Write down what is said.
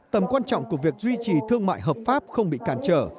tầm quan trọng của việc duy trì thương mại hợp pháp không bị cản trở